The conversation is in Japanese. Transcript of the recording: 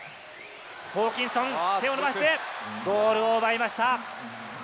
ホーキンソン、手を伸ばしてゴールを奪いました。